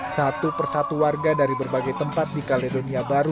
satu persatu warga dari berbagai tempat di kaledonia baru